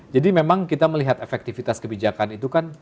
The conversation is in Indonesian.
jadi memang kita melihat efektivitas kebijakan itu kan